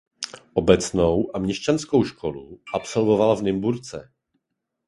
Obecnou a měšťanskou školu absolvoval v Nymburce.